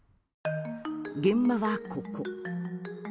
現場はここ。